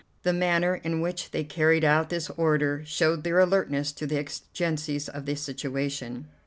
The manner in which they carried out this order showed their alertness to the exigencies of the situation.